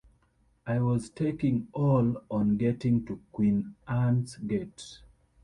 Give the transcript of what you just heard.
I was staking all on getting to Queen Anne’s Gate.